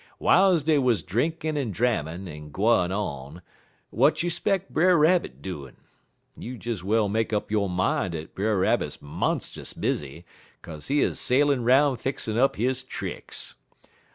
"Wiles dey wuz drinkin' en drammin' en gwine on, w'at you 'speck Brer Rabbit doin'? You des well make up yo' min' dat Brer Rabbit monst'us busy, kaze he 'uz sailin' 'roun' fixin' up his tricks.